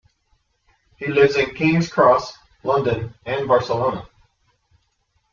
He lives in King's Cross, London and Barcelona.